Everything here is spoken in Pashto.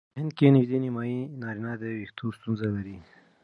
په هند کې نژدې نیمایي نارینه د وېښتو ستونزه لري.